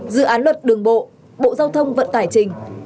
dự án luật đường bộ bộ giao thông vận tải trình